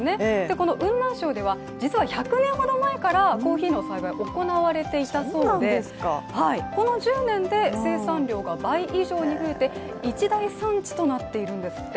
この雲南省では実は１００年ほど前からコーヒーの栽培が行われていたそうで、この１０年で、生産量が倍以上増えて一大産地となっているんですって。